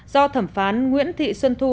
do thẩm phán nguyễn thị xuân thu